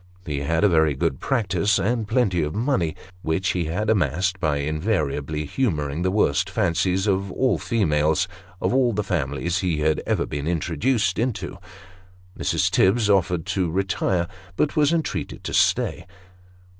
He had a very good practice, and plenty of money, which he had amassed by invariably humouring the worst fancies of all the females of all the families he had ever been introduced into. Mrs. Tibbs offered to retire, but was entreated to stay.